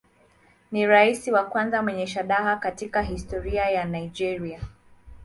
Ni rais wa kwanza mwenye shahada katika historia ya Nigeria.